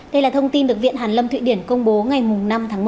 đây là thông tin được viện hàn lâm thụy điển công bố ngày năm tháng một mươi